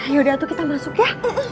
yaudah tuh kita masuk ya